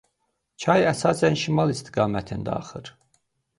Çay əsasən şimal istiqamətdə axır.